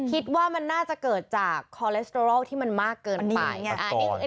คิดว่ามันน่าจะเกิดจากคอเลสเตอรอลที่มันมากเกินไป